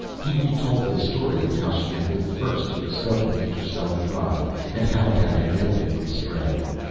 He retold the story of how she had been the first to discover the interstellar drive, and how it had inevitably spread.